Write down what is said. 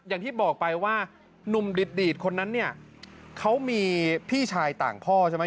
อย่างที่บอกไปว่านุ่มดีดดีดคนนั้นเนี่ยเขามีพี่ชายต่างพ่อใช่ไหม